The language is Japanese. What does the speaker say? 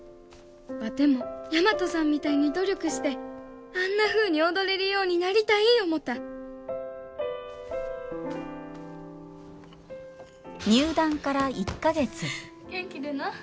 ワテも大和さんみたいに努力してあんなふうに踊れるようになりたい思うた入団から１か月元気でな。